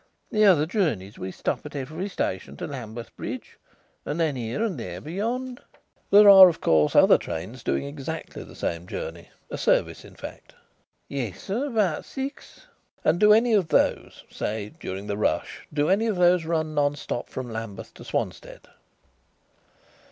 The other journeys we stop at every station to Lambeth Bridge, and then here and there beyond." "There are, of course, other trains doing exactly the same journey a service, in fact?" "Yes, sir. About six." "And do any of those say, during the rush do any of those run non stop from Lambeth to Swanstead?"